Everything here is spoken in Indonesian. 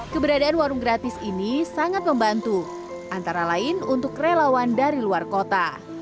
keberadaan warung gratis ini sangat membantu antara lain untuk relawan dari luar kota